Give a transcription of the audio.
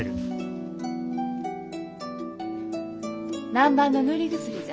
南蛮の塗り薬じゃ。